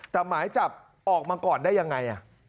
แต่หมายจับออกมาก่อนได้ยังไง